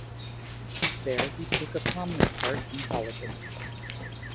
There he took a prominent part in politics.